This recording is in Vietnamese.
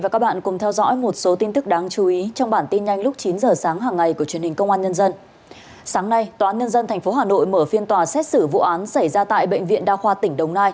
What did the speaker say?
cảm ơn các bạn đã theo dõi